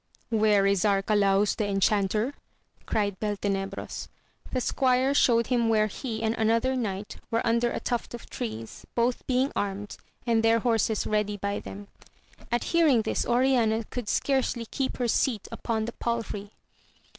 Where is Arcalaus the Enchanter 1 cried Beltenebros ; the squire showed him where he and another knight were under a tuft of trees, both being armed, and their horses ready by them. At hearing this Oriana could scarcely keep her seat upon the pal&ey.